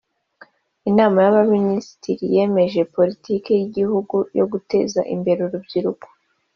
Inama y’Abaminisitiri yemeje Politiki y’Igihugu yo guteza imbere urubyiruko